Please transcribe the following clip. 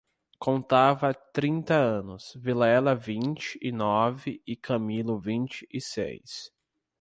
Contava trinta anos, Vilela vinte e nove e Camilo vinte e seis.